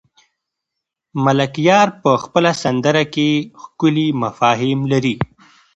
ملکیار په خپله سندره کې ښکلي مفاهیم لري.